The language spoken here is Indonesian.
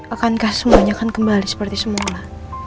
akankah semuanya akan kembali seperti semula